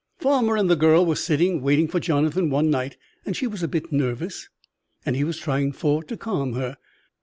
Farmer and the girl were sitting waiting for Jonathan one night; and she was a bit nervous, and he was trying for to calm her.